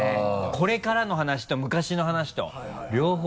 これからの話と昔の話と両方。